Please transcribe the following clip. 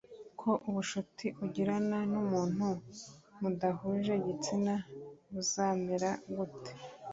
ko ubucuti ugirana n umuntu mudahuje igitsina buzamera gute